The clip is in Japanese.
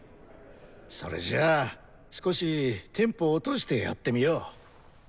それじゃあ少しテンポ落としてやってみよう。